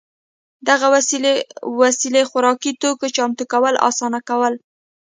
دغې وسیلې خوراکي توکو چمتو کول اسانه کول